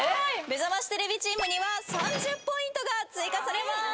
めざましテレビチームには３０ポイントが追加されます。